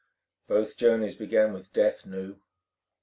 "Both journeys began with death, Nou."